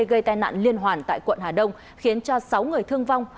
gây tai nạn liên hoàn tại quận hà đông khiến cho sáu người thương vong